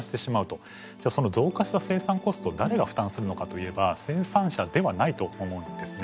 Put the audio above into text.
じゃその増加した生産コストを誰が負担するのかといえば生産者ではないと思うんですね。